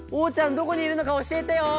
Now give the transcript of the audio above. どこにいるのかおしえてよ！